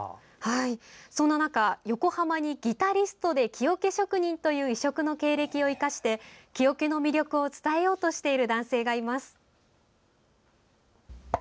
そんな中、横浜にギタリストで木おけ職人という異色の経歴を生かして木おけの魅力を伝えようとしている男性がいます。